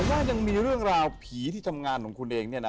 สัญญาเรื่องราวผีที่ทำงานของคุณเอง